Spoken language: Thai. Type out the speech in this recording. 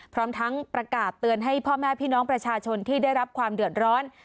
พร้อมทั้งประกาศเตือนให้พ่อแม่พี่น้องประชาชนที่ได้รับความเดือดร้อน